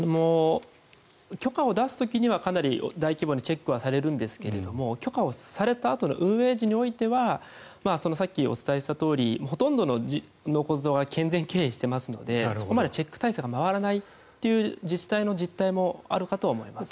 許可を出す時にはかなり大規模にチェックはされるんですが許可をされたあとの運営時においてはさっきお伝えしたとおりほとんどの納骨堂は健全経営していますのでそこまでチェック体制が回らないという自治体の実態もあるかとは思います。